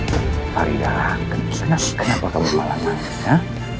bopo farida kenapa kamu melamar dia